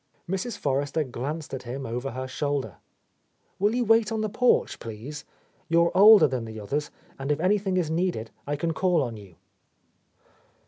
Mrs. Forrester glanced at him over her shoul der. "Will you wait on the porch, please? You are older than the others, and if anything is needed I can call on you."